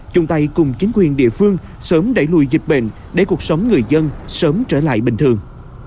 chung tay cùng chính quyền địa phương sớm đẩy lùi dịch bệnh để cuộc sống người dân sớm trở lại bình thường